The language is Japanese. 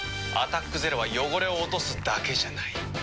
「アタックＺＥＲＯ」は汚れを落とすだけじゃない。